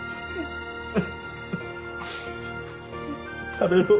食べよう。